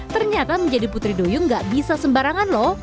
ternyata menjadi putri duyung gak bisa sembarangan loh